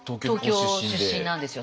東京出身なんですよ